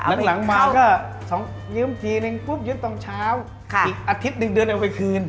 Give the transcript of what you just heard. อีกอาทิตย์๑เดือนเอาไปคืน